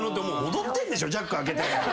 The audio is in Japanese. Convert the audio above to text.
踊ってんでしょチャック開けて。